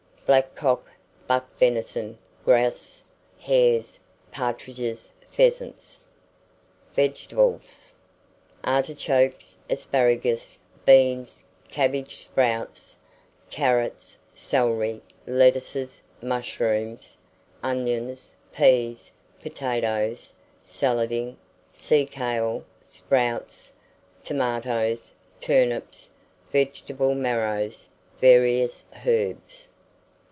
Blackcock, buck venison, grouse, hares, partridges, pheasants. VEGETABLES. Artichokes, asparagus, beans, cabbage sprouts, carrots, celery, lettuces, mushrooms, onions, pease, potatoes, salading, sea kale, sprouts, tomatoes, turnips, vegetable marrows, various herbs.